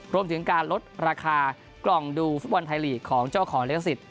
รวมถึงการลดราคากล่องดูฟุตบอลไทยลีกของเจ้าของลิขสิทธิ